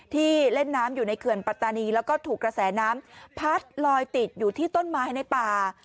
ที่เล่นน้ำอยู่ในเขื่อนปัตตานีแล้วก็ถูกกระแสน้ำพัดลอยติดอยู่ที่ต้นไม้ในป่า